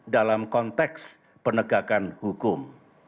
dalam konteks penegakan hukum